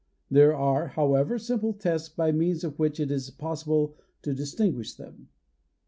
There are, however, simple tests by means of which it is possible to distinguish them.